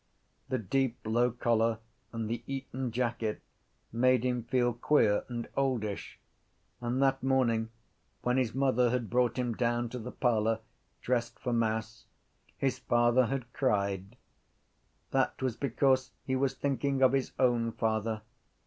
The deep low collar and the Eton jacket made him feel queer and oldish: and that morning when his mother had brought him down to the parlour, dressed for mass, his father had cried. That was because he was thinking of his own father.